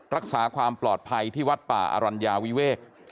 รักษาความปลอดภัยที่วัดป่าอรัญญาวิเวก